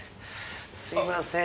すいません。